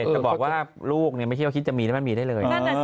จะบอกว่าถ้าลูกยังไม่คิดว่าคิดจะมีมันไม่มีได้เลย